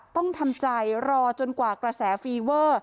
ต้องทำใจรอจนกว่ากระแสฟีเวอร์